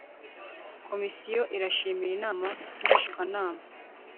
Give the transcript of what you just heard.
komisiyo irashimira inama ngishwanama